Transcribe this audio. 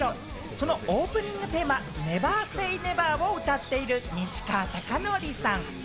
そのオープニングテーマ『ＮｅｖｅｒｓａｙＮｅｖｅｒ』を歌っている西川貴教さん。